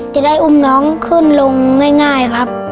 จะได้อุ้มน้องขึ้นลงง่ายครับ